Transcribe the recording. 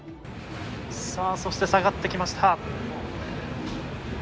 そして下がってきました。